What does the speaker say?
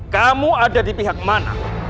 kamu ada di pihak mana